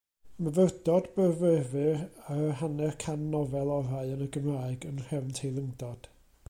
Myfyrdod byrfyfyr ar yr hanner can nofel orau yn y Gymraeg, yn nhrefn teilyngdod.